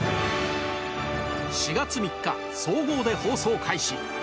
４月３日総合で放送開始